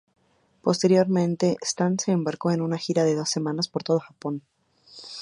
Posteriormente, Stan se embarcó en una gira de dos semanas por todo Japón.